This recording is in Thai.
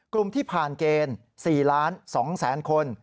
กลุ่มที่ผ่านเกณฑ์๔ล้าน๒แสนคน